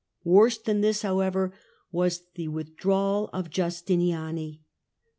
Worse than this, however, was the with drawal of Justiniani.